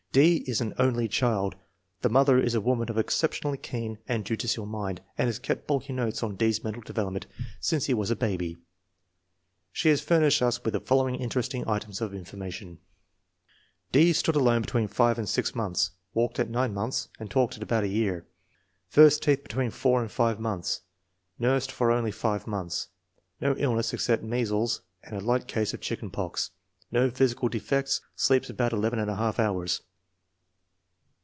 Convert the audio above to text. D. is an " only " child. The mother is a woman of exceptionally keen and judicial mind, and has kept bulky notes on D.'s mental development since he was 254 INTELLIGENCE OF SCHOOL CHILDREN a baby. She has furnished us with the following interesting items of information: "D. stood alone between five and six months; walked at nine months, and talked at about a year. First teeth between four and five months. Nursed for only five months. No illness except measles and a light case of chicken pox. No physical defects. Sleeps about 11 hours.